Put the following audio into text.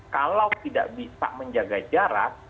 kalau tidak bisa menjaga jarak